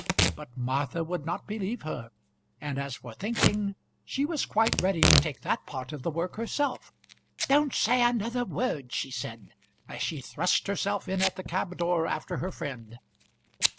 But Martha would not believe her; and as for thinking, she was quite ready to take that part of the work herself. "Don't say another word," she said, as she thrust herself in at the cab door after her friend.